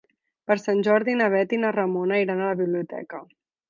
Per Sant Jordi na Bet i na Ramona iran a la biblioteca.